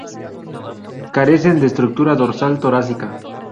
Carecen de estructura dorsal torácica.